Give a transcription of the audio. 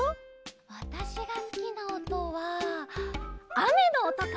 わたしがすきなおとはあめのおとかな！